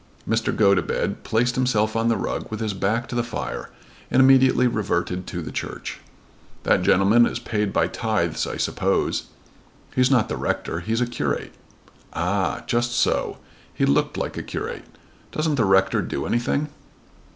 Mr. Gotobed placed himself on the rug with his back to the fire and immediately reverted to the Church. "That gentleman is paid by tithes I suppose." "He's not the rector. He's a curate." "Ah; just so. He looked like a curate. Doesn't the rector do anything?"